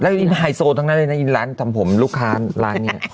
แล้วไฮโซทั้งนั้นเลยนะร้านทำผมลูกค้าร้านนี้